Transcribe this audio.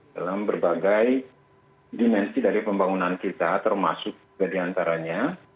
dalam berbagai dimensi dari pembangunan kita termasuk juga diantaranya